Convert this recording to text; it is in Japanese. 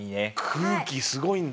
空気すごいんだ。